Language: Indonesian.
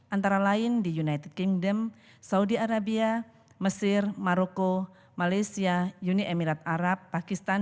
antara lain di united kingdom saudi arabia mesir maroko malaysia uni emirat arab pakistan